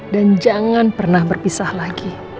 dan jangan pernah berpisah lagi